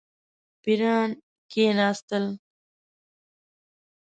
پیران کښېنستل.